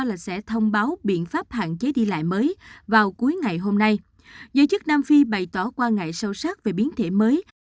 lại mới vào cuối ngày hôm nay giới chức nam phi bày tỏ quan ngại sâu sắc về biến thể mới